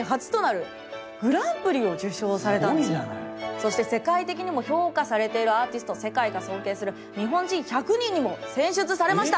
そして世界的にも評価されているアーティスト「世界が尊敬する日本人１００人」にも選出されました！